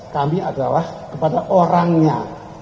kami adalah kepada orangnya